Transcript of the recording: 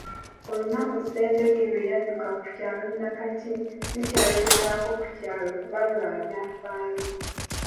Olunaku Ssendege lwe yadduka ku kyalo nakati lukyayogerwako ku kyalo kuba lwa byafaayo.